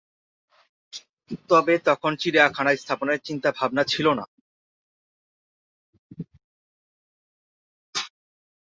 তবে তখন চিড়িয়াখানা স্থাপনের চিন্তা-ভাবনা ছিল না।